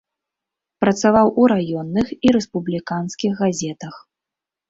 Працаваў у раённых і рэспубліканскіх газетах.